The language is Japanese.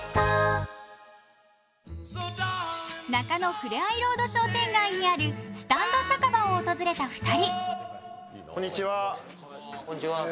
ふれあいロード商店街にあるスタンド酒場を訪れた２人。